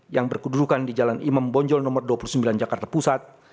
yang berkedudukan di jalan imam bonjol nomor dua puluh sembilan jakarta pusat